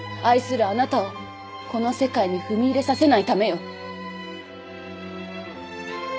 愛するあなたをこの世界に踏み入れさせないためよ。